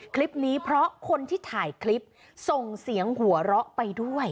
คลิปนี้เพราะคนที่ถ่ายคลิปส่งเสียงหัวเราะไปด้วย